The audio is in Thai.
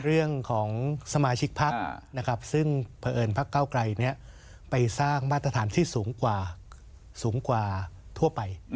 เรื่องของสมาชิกพักซึ่งเผอิญพักเก้าไกลไปสร้างมาตรฐานที่สูงกว่าทั่วไป